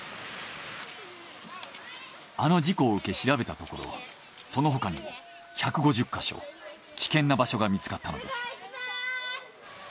あの事故を受け調べたところその他にも１５０箇所危険な場所が見つかったのです。